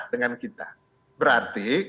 dengan kita berarti